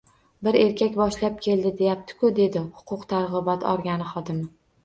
Bir erkak boshlab keldi, deyapti-ku, dedi huquq-tartibot organi xodimi